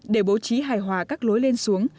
để bố trí hài hòa các lối lên xuống